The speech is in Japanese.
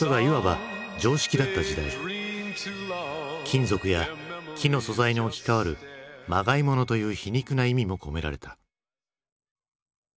金属や木の素材に置き換わるまがい物という皮肉な意味も込められた。